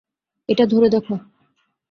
এটা ধরে দেখো।